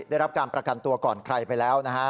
ได้รับการประกันตัวก่อนใครไปแล้วนะฮะ